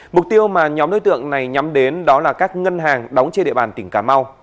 mục tiêu mà nhóm đối tượng này nhắm đến đó là các ngân hàng đóng trên địa bàn tỉnh cà mau